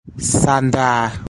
ซานดรา